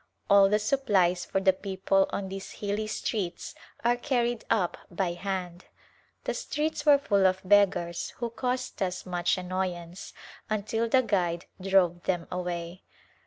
All the supplies for the people on these hilly streets are carried up by hand. The streets were full of beggars who caused us much annoyance until the guide drove them away.